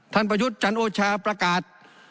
ท่านประยุทธ์จันทร์โอชาประกาศ